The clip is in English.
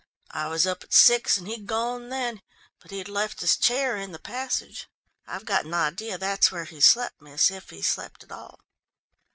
"I was up at six and he'd gone then, but he'd left his chair in the passage I've got an idea that's where he slept, miss, if he slept at all."